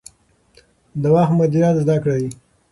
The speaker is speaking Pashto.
د وخت مدیریت زده کړئ.